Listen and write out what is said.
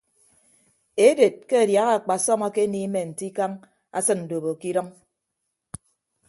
Eded ke adiaha akpasọm akeniime nte ikañ asịn ndobo ke idʌñ.